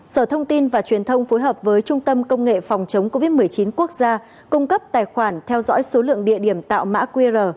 sở thông tin và truyền thông phối hợp với trung tâm công nghệ phòng chống covid một mươi chín quốc gia cung cấp tài khoản theo dõi số lượng địa điểm tạo mã qr